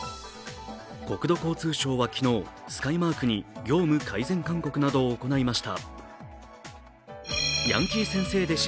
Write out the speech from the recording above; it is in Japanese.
国土交通省は昨日、スカイマークに業務改善勧告などを行いました。